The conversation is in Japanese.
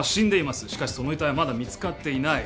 しかしその遺体はまだ見つかっていない。